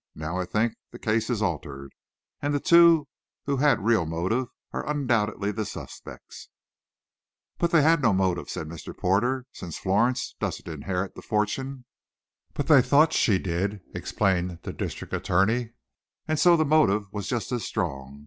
Now I think the case is altered, and the two who had real motive are undoubtedly the suspects." "But they had no motive," said Mr. Porter, "since Florence doesn't inherit the fortune." "But they thought she did," explained the district attorney, "and so the motive was just as strong.